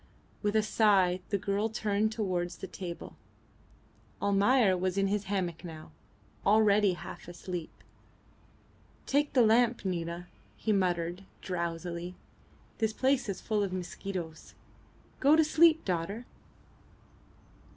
With a sigh the girl turned towards the table. Almayer was in his hammock now, already half asleep. "Take the lamp, Nina," he muttered, drowsily. "This place is full of mosquitoes. Go to sleep, daughter."